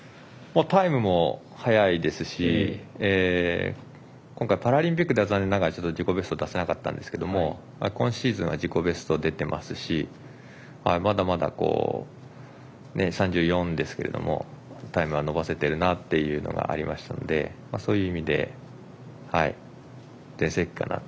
タイムも速いですし今回パラリンピックでは残念ながら自己ベストを出せなかったんですけど今シーズンは自己ベスト出ていますしまだまだ３４ですけどもタイムは伸ばせているなというのがありましたのでそういう意味で全盛期かなと。